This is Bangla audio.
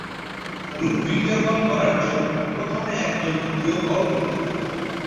গ্রুপ ভিডিও কল করার জন্য প্রথমে একজনকে ভিডিও কল করতে হবে।